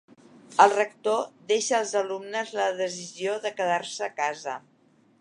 El rector deixa als alumnes la decisió de quedar-se a casa.